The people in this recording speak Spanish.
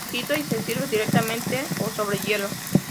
Se agita y se sirve directamente o sobre hielo.